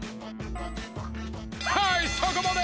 はいそこまで！